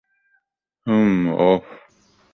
হুম, ওহ।